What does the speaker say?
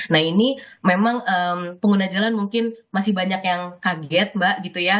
nah ini memang pengguna jalan mungkin masih banyak yang kaget mbak gitu ya